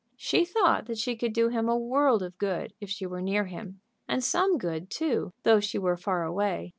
She thought that she could do him a world of good if she were near him, and some good, too, though she were far away.